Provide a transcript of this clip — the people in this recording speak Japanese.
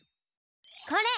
これ！